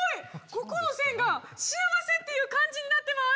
ここの線が「幸」っていう漢字になってます